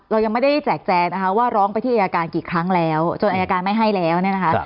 เรายังไม่ได้แจกแจงนะคะว่าร้องไปที่อายการกี่ครั้งแล้วจนอายการไม่ให้แล้วเนี่ยนะคะ